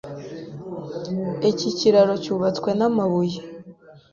Iki kiraro cyubatswe namabuye.